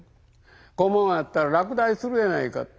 「このままやったら落第するやないか」。